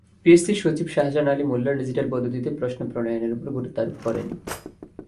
পিএসসির সচিব শাহজাহান আলী মোল্লা ডিজিটাল পদ্ধতিতে প্রশ্ন প্রণয়নের ওপর গুরুত্বারোপ করেন।